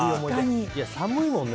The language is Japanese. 寒いもんね。